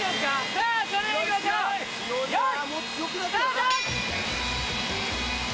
さあそれではいきましょう用意スタート！